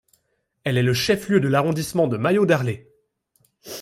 Elle est le chef-lieu de l'arrondissement de Mayo-Darlé.